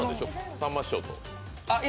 さんま師匠と。